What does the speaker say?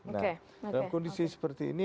nah dalam kondisi seperti ini